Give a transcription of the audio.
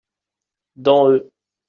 Dans eux.